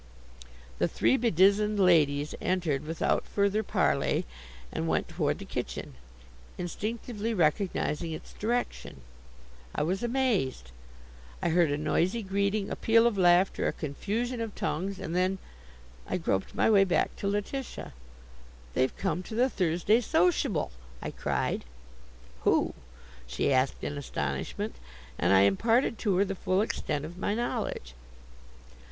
The three bedizened ladies entered without further parley and went toward the kitchen, instinctively recognizing its direction. I was amazed. I heard a noisy greeting, a peal of laughter, a confusion of tongues, and then I groped my way back to Letitia. "They've come to the Thursday sociable!" I cried. "Who?" she asked in astonishment, and I imparted to her the full extent of my knowledge.